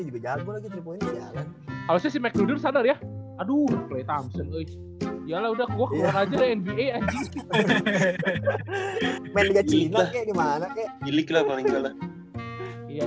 juga jatuh lagi kalau si maksudnya sadar ya aduh ya udah gua aja aja aja